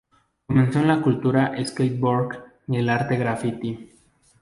Comenzó en la cultura skateboard y el arte grafiti.